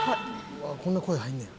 うわっこんな声入んねや。